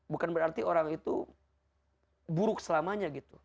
bukan berarti orang itu buruk selamanya gitu